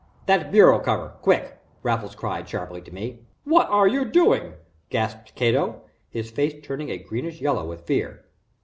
"That bureau cover quick," Raffles cried, sharply, to me. "What are you doing?" gasped Cato, his face turning a greenish yellow with fear.